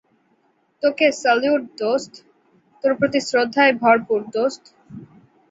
তোকে স্যালুট, দোস্ত - তোর প্রতি শ্রদ্ধায় ভরপুর, দোস্ত।